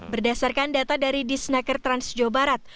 berdasarkan data dari disnaker trans jawa barat